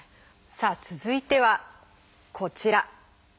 さあ続いてはこちら。